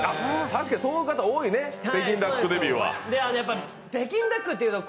確かにそういう方多いね、北京ダックデビューは。